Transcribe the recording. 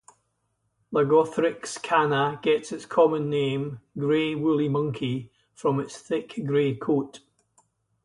"Lagothrix cana" gets its common name, gray woolly monkey, from its thick gray coat.